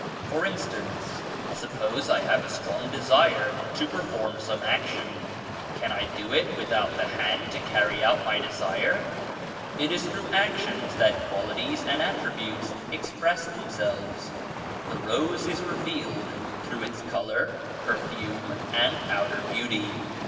For instance suppose I have a strong desire to perform some action. Can I do it without the hand to carry out my desire? It is through actions that quali ties and attributes express themselves. The rose is revealed through its color, perfume and outer beauty.